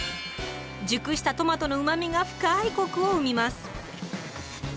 熟したトマトのうまみが深いコクを生みます。